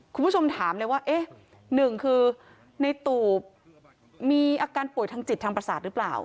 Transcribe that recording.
คุณผู้ชมถามเลยว่า๑ในตูบมีอาการป่วยทางจิตทางประสาทหรือเปล่า